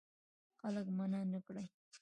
خلک منع نه کړې.